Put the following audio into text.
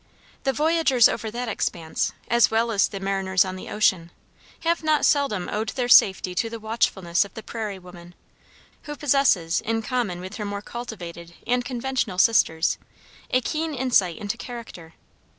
The voyagers over that expanse, as well as the mariners on the ocean, have not seldom owed their safety to the watchfulness of the prairie woman, who possesses, in common with her more cultivated and conventional sisters, a keen insight into character.